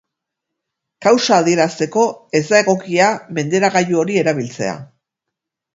Kausa adierazteko ez da egokia menderagailu hori erabiltzea.